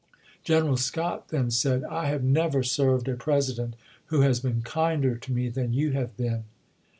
General Scott then said, " I have chap. xx. never served a President who has been kinder to me than you have been."